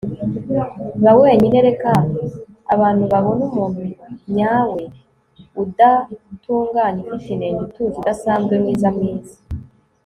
ba wenyine. reka abantu babone umuntu nyawe, udatunganye, ufite inenge, utuje, udasanzwe, mwiza, mwiza